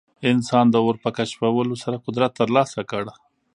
انسان د اور په کشفولو سره قدرت ترلاسه کړ.